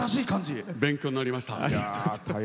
勉強になりました。